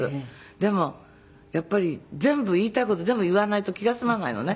「でもやっぱり全部言いたい事全部言わないと気が済まないのね」